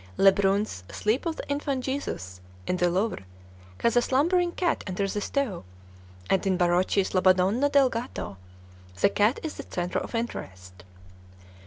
Lebrun's "Sleep of the Infant Jesus," in the Louvre, has a slumbering cat under the stove, and in Barocci's "La Madonna del Gatto" the cat is the centre of interest.